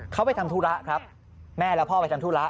เขาไปทำธุระครับแม่และพ่อไปทำธุระ